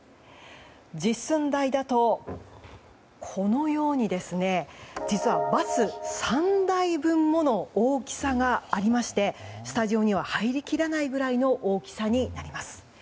実寸大だと、このように実はバス３台分もの大きさがありましてスタジオには入りきらないくらいの大きさになります。